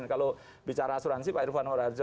kalau bicara asuransi pak irvan oranjo